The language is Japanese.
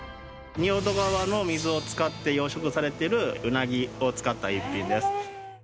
仁淀川の水を使って養殖されてる鰻を使った一品です